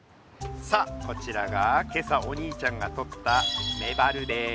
さあこちらが今朝お兄ちゃんがとったメバルです。